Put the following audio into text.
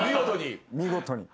見事に？